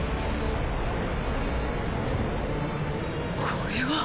これは。